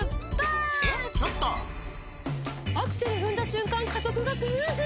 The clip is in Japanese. アクセル踏んだ瞬間加速がスムーズ！